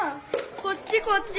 こっちこっち。